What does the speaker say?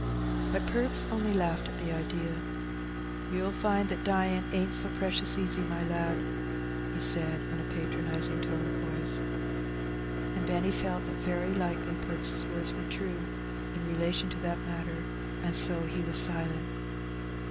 But Perks only laughed at the idea. '^ You'll find that dyin* ain't so precious easy, my lad,'' he said, in a patronizing tone of voice. And Benny felt that very likely Perks' words were true in relation to that matter, and so he was silent.